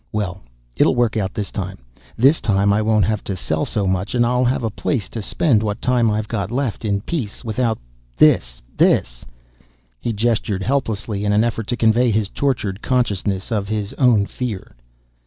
"Well, it'll work out this time. This time, I won't have to sell so much, and I'll have a place to spend what time I've got left in peace, without this ... this " He gestured helplessly in an effort to convey his tortured consciousness of his own fear.